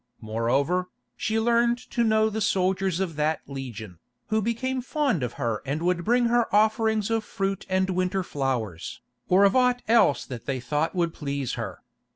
Moreover, she learned to know the soldiers of that legion, who became fond of her and would bring her offerings of fruit and winter flowers, or of aught else that they thought would please her.